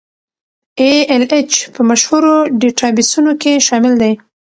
ای ایل ایچ په مشهورو ډیټابیسونو کې شامل دی.